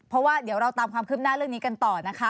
เพราะว่าเดี๋ยวเราตามความคืบหน้าเรื่องนี้กันต่อนะคะ